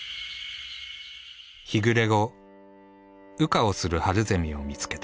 日暮れ後羽化をするハルゼミを見つけた。